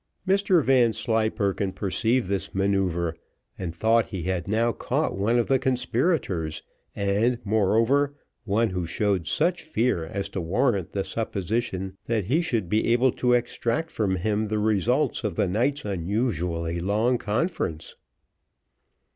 Mr Vanslyperken perceived this manoeuvre, and thought he had now caught one of the conspirators, and, moreover, one who showed such fear as to warrant the supposition that he should be able to extract from him the results of the night's unusually long conference.